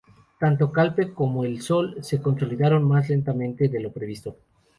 Tanto Calpe como "El Sol" se consolidaron más lentamente de lo previsto.